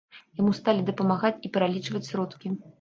Яму сталі дапамагаць і пералічваць сродкі.